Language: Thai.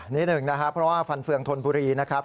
นิดหนึ่งนะครับเพราะว่าฟันเฟืองธนบุรีนะครับ